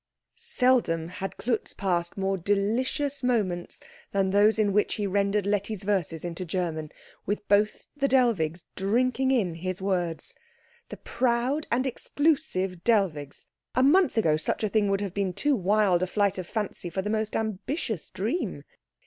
Seldom had Klutz passed more delicious moments than those in which he rendered Letty's verses into German, with both the Dellwigs drinking in his words. The proud and exclusive Dellwigs! A month ago such a thing would have been too wild a flight of fancy for the most ambitious dream.